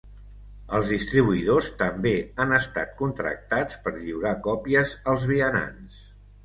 Els distribuïdors també han estat contractats per lliurar còpies als vianants.